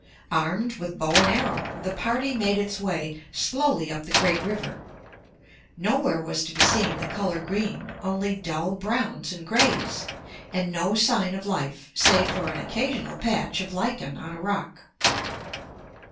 Armed with bow and arrow, the party made its way slowly up the great river. Nowhere was to be seen the color green, only dull browns and greys. And no sign of life, save for an occasional patch of lichen on a rock.